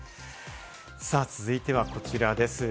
続いては、こちらです。